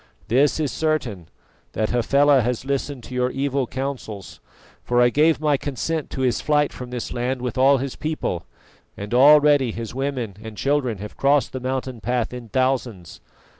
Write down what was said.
This is certain, that Hafela has listened to your evil counsels, for I gave my consent to his flight from this land with all his people, and already his women and children have crossed the mountain path in thousands.